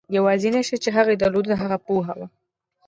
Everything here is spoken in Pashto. یوازېنی شی چې هغه درلود د هغه پوهه وه.